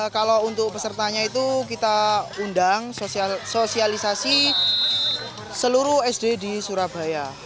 kalau untuk pesertanya itu kita undang sosialisasi seluruh sd di surabaya